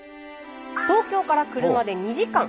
東京から車で２時間。